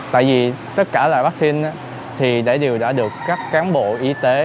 tại vì tất cả loại vaccine thì đấy đều đã được các cán bộ y tế